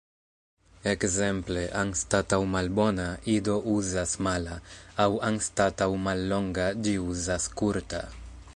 Ekzemple, anstataŭ "malbona", Ido uzas "mala", aŭ anstataŭ "mallonga" ĝi uzas "kurta".